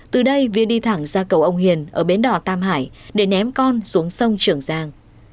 từ đây viên đi thẳng ra cầu ông hiền ở bến đỏ tam hải để ném con xuống sông trường giang